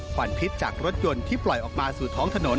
วันพิษจากรถยนต์ที่ปล่อยออกมาสู่ท้องถนน